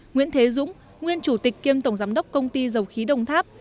nguyễn thế dũng nguyên chủ tịch kiêm tổng giám đốc công ty dầu khí đồng tháp